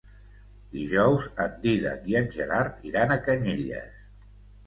Dijous en Dídac i en Gerard iran a Canyelles.